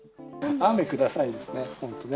雨くださいですね、本当ね。